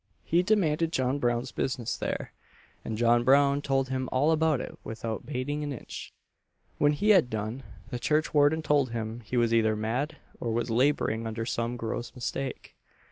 He demanded John Brown's business there, and John Brown told him all about it without bating an inch. When he had done, the churchwarden told him he was either mad, or was labouring under some gross mistake.